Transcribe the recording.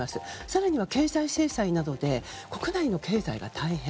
更には、経済制裁などで国内の経済が大変。